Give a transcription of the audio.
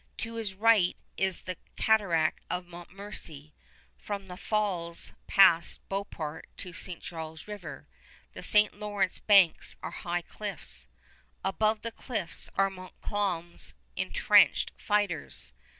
To his right is the cataract of Montmorency. From the falls past Beauport to St. Charles River, the St. Lawrence banks are high cliffs. Above the cliffs are Montcalm's intrenched fighters.